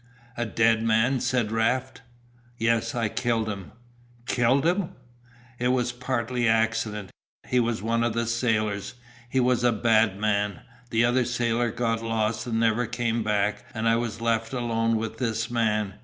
"A dead man?" said Raft. "Yes. I killed him." "Killed him?" "It was partly accident. He was one of the sailors. He was a bad man. The other sailor got lost and never came back and I was left alone with this man.